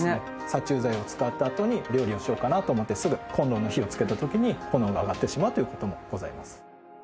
殺虫剤を使ったあとに料理をしようかなと思ってすぐコンロの火をつけた時に炎が上がってしまうという事もございます。